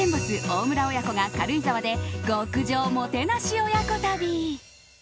大村親子が軽井沢で極上もてなし親子旅。